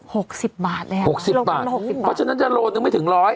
หกสิบบาทนะครับหกสิบบาทเพราะฉะนั้นจะโลนึงไม่ถึงร้อย